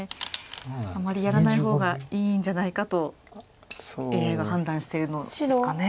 あんまりやらない方がいいんじゃないかとＡＩは判断してるのですかね。